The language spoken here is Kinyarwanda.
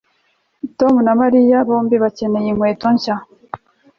Tom na Mariya bombi bakeneye inkweto nshya